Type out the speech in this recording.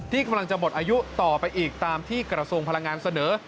ที่กำลังจะหมดอายุต่อไปอีกตามที่กระทรวงพลังงานเสนอ